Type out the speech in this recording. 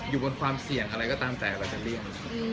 อยู่บนความเสี่ยงอะไรก็ตามแต่เราจะเลี่ยง